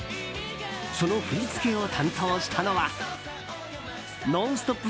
その振り付けを担当したのは「ノンストップ！」